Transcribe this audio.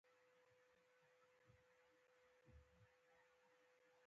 که دا غوړ هم نه وای نو دا خواران.